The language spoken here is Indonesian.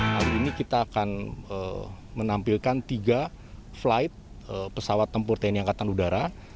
hari ini kita akan menampilkan tiga flight pesawat tempur tni angkatan udara